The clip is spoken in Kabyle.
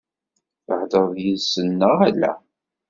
Theḍṛeḍ yid-sen neɣ ala?